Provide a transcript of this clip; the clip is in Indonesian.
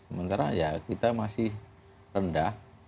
sementara ya kita masih rendah